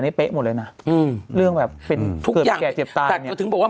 อันนี้เป๊ะหมดเลยน่ะอืมเรื่องแบบเป็นเกินแกะเจ็บตาแต่ก็ถึงบอกว่า